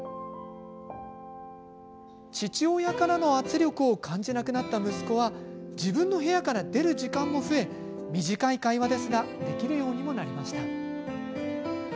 父親からの圧力を感じなくなった息子は自分の部屋から出る時間も増え短い会話ですができるようにもなりました。